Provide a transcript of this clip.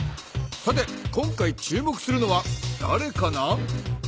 さて今回注目するのはだれかな？